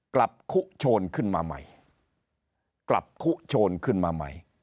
กลับคุโชนขึ้นมาใหม่กลับคุโชนขึ้นมาใหม่